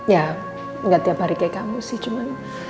ya nggak tiap hari kayak kamu sih cuman